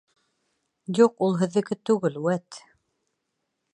Юҡ, ул һеҙҙеке түгел, вәт.